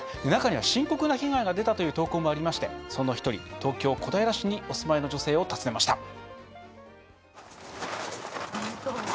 中には深刻な被害が出たという投稿もありましてその１人、東京・小平市にお住まいの女性を訪ねました。